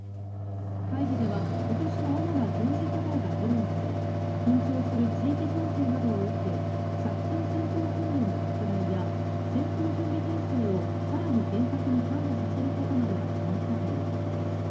会議では今年の主な軍事課題が議論され緊張する地域情勢などを受け作戦戦闘訓練の拡大や戦争準備態勢を更に厳格に完備させることなどが決まったということです。